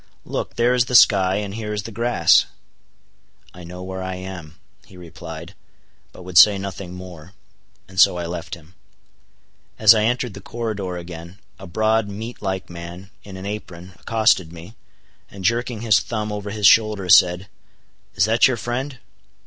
Look, there is the sky, and here is the grass." "I know where I am," he replied, but would say nothing more, and so I left him. As I entered the corridor again, a broad meat like man, in an apron, accosted me, and jerking his thumb over his shoulder said—"Is that your friend?"